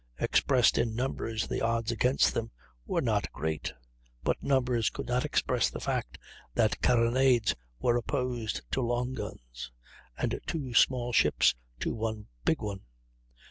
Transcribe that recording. Expressed in numbers, the odds against them were not great, but numbers could not express the fact that carronades were opposed to long guns, and two small ships to one big one.